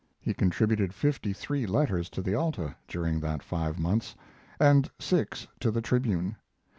He contributed fifty three letters to the Alta during that five months and six to the Tribune.